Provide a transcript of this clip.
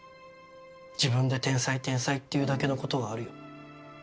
自分で天才天才って言うだけのことはあるよ。